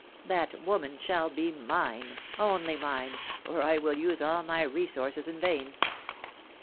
That woman shall be mine, only mine, or I will use all my resources in vain